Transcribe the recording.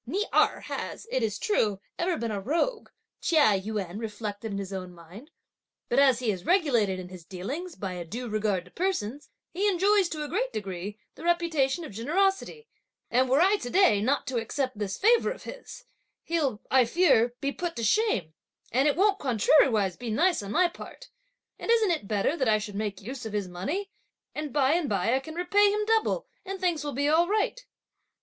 "Ni Erh has, it is true, ever been a rogue," Chia Yün reflected in his own mind, "but as he is regulated in his dealings by a due regard to persons, he enjoys, to a great degree, the reputation of generosity; and were I to day not to accept this favour of his, he'll, I fear, be put to shame; and it won't contrariwise be nice on my part! and isn't it better that I should make use of his money, and by and by I can repay him double, and things will be all right!"